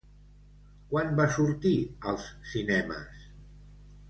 Quan va sortir als cinemes?